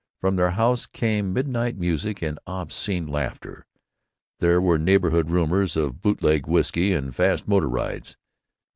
From their house came midnight music and obscene laughter; there were neighborhood rumors of bootlegged whisky and fast motor rides.